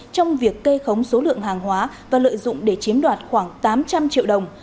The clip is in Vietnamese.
trong việc kê khống số lượng hàng hóa và lợi dụng để chiếm đoạt khoảng tám trăm linh triệu đồng